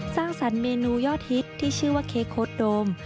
สร้างสรรค์เมนูยอดฮิตที่ชื่อว่าเค้กโค้ดโดม